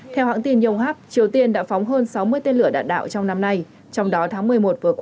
theo hãng tin nhông hấp triều tiên đã phóng hơn sáu mươi tên lửa đạn đạo trong năm nay